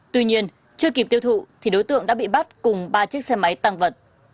tuy nhiên chưa kịp tiêu thụ thì đối tượng đã bị bắt cùng ba chiếc xe máy tăng vật